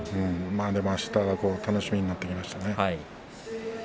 あした楽しみになってきましたね。